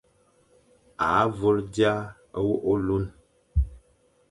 A vôl dia wôkh ôlun,